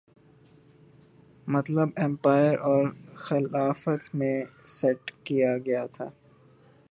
مطلب ایمپائر اور خلافت میں سیٹ کیا گیا ہے